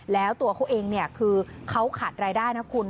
แล้วตัวเขาเองคือเขาขาดรายได้นะคุณ